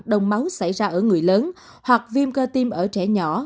đông máu xảy ra ở người lớn hoặc viêm ca tiêm ở trẻ nhỏ